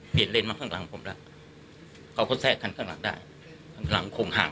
เลนมาข้างหลังผมแล้วเขาก็แทรกกันข้างหลังได้ข้างหลังคงห่าง